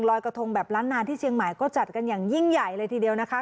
กระทงแบบล้านนานที่เชียงใหม่ก็จัดกันอย่างยิ่งใหญ่เลยทีเดียวนะคะ